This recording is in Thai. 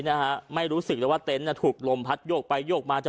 นะฮะไม่รู้สึกเลยว่าเต็นต์น่ะถูกลมพัดโยกไปโยกมาจะ